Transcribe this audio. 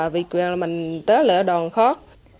vì mình tới lại ở đòn khóc